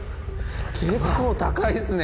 結構高いすね！